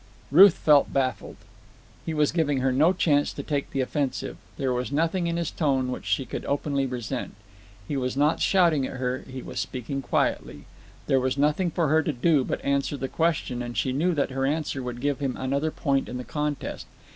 Ruth felt baffled. He was giving her no chance to take the offensive. There was nothing in his tone which she could openly resent. He was not shouting at her, he was speaking quietly. There was nothing for her to do but answer the question, and she knew that her answer would give him another point in the contest.